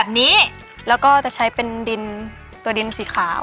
เออบางอย่างจะทำพิมพ์เองเลยเพราะว่าพิมพ์ไม่ทัน